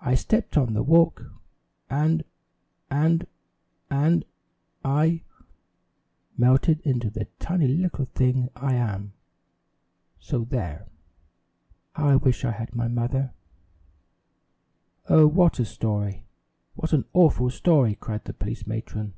I stepped on the walk, and and and I melted into the tiny little thing I am so there! How I wish I had my mother " "Oh, what a story! What an awful story!" cried the police matron.